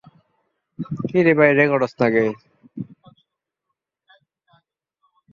কারণ এটি অতিমাত্রায় দাহ্য একটি বস্তু।